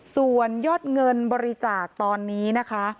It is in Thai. ส่วนยอดเงินบริจาคตอนนี้นะคะ